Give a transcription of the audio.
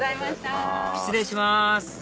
失礼します